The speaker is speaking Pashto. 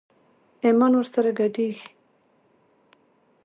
ايمان ور سره ګډېږي.